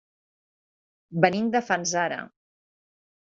Venim de Fanzara.